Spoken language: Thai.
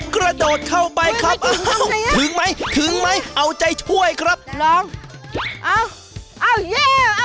กระโดดเข้าไปครับถึงมั้ยถึงมั้ยเอาใจช่วยครับลองเอ้าเย้